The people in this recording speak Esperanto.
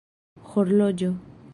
horloĝo